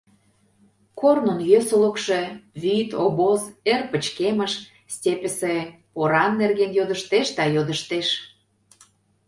Корнын йӧсылыкшӧ, вӱд, обоз, эр пычкемыш, степьысе поран нерген йодыштеш да йодыштеш...